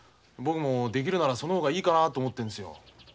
僕もできるならその方がいいかなと思ってるんですよ。